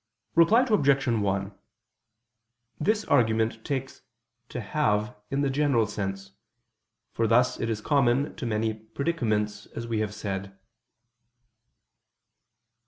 Reply Obj. 1: This argument takes "to have" in the general sense: for thus it is common to many predicaments, as we have said.